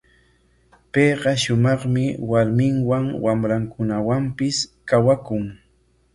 Payqa shumaqmi warminwan, wamrankunawanpis kawakun.